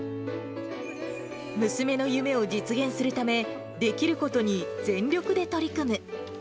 娘の夢を実現するため、できることに全力で取り組む。